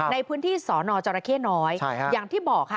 ในพื้นที่สอนอจรเข้น้อยอย่างที่บอกค่ะ